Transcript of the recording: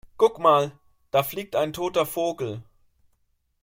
Guck mal, da fliegt ein toter Vogel!